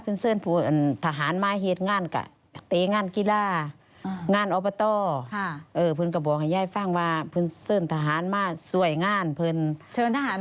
เชิญทหารมาช่วยงานอบตที่ทำสู้เหรอ